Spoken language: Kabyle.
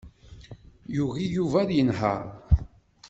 Yugi Yuba ad yenheṛ.